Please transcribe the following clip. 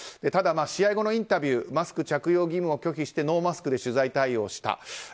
ただ、試合後のインタビューマスク着用義務を拒否してノーマスクで取材対応した。